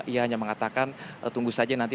ianya mengatakan tunggu saja nanti